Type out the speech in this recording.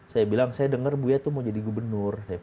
saya bilang saya dengar buya tuh mau jadi gubernur